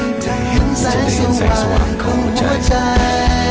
ในเหมือนแสงสว่างของหัวใจ